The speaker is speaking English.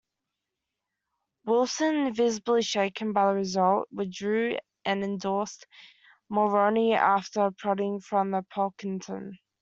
Wilson, visibly shaken by the result, withdrew and endorsed Mulroney after prodding from Pocklington.